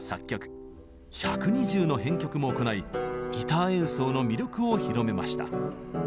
１２０の編曲も行いギター演奏の魅力を広めました。